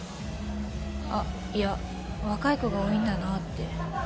あっいや若い子が多いんだなって。